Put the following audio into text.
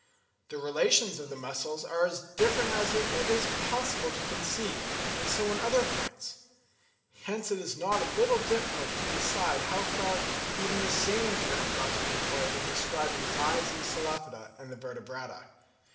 The relations of the muscles are as different as it is possible to conceive, and so in other points. Hence it is not a little difficult to decide how far even the same terms ought to be employed in describing the eyes of the Cephalopoda and Vertebrata.